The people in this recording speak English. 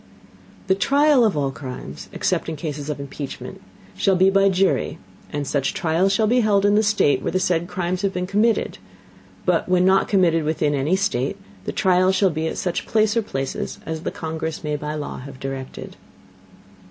The Trial of all Crimes, except in Cases of Impeachment, shall be by Jury; and such Trial shall be held in the State where the said Crimes shall have been committed; but when not committed within any State, the Trial shall be at such Place or Places as the Congress may by Law have directed.